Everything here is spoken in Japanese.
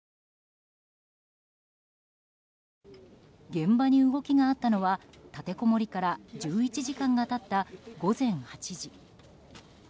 現場に動きがあったのは立てこもりから１１時間が経った午前８時。